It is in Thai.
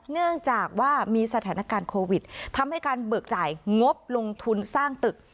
เนื่องจากว่ามีสถานการณ์โควิดทำให้การเบิกจ่ายงบลงทุนสร้างตึก